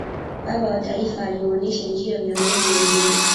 baba wa taifa aliwaonesha njia viongozi wengine